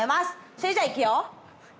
それじゃあいくよ。